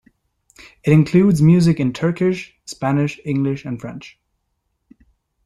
It includes music in Turkish, Spanish, English and French.